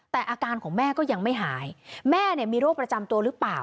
แต่อาการของแม่ก็ยังไม่หายแม่มีโรคประจำตัวหรือเปล่า